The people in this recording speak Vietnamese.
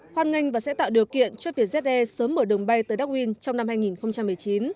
hoan nghênh và sẽ tạo điều kiện cho việc ze sớm mở đường bay tới darwin trong năm hai nghìn một mươi chín